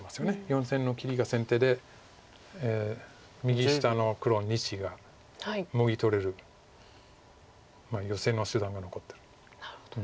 ４線の切りが先手で右下の黒２子がもぎ取れるヨセの手段が残ってる。